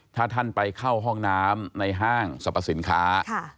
ถ้าท่านไปเข้าห้องน้ำในห้างสรรพสินค้า